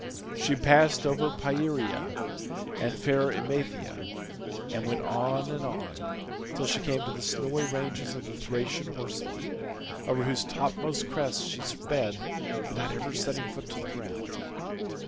She passed over Pieria and fair Emathia, and went on and on till she came to the snowy ranges of the Thracian horsemen, over whose topmost crests she sped without ever setting foot to ground.